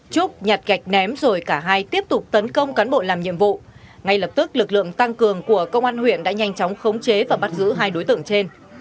trúc nhặt gạch ném rồi cả hai tiếp tục tấn công cán bộ làm nhiệm vụ ngay lập tức lực lượng tăng cường của công an huyện đã nhanh chóng khống chế và bắt giữ hai đối tượng trên